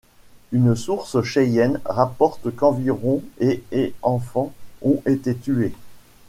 Une source Cheyenne rapporte qu'environ et et enfants ont été tués.